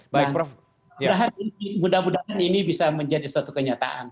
dan mudah mudahan ini bisa menjadi suatu kenyataan